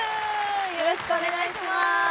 よろしくお願いします。